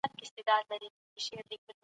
موږ خو ګلونه د